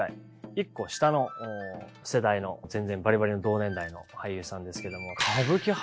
１個下の世代の全然バリバリの同年代の俳優さんですけども。